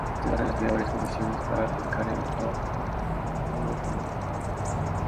Se basa en las peores condiciones para arrancar el motor un automóvil.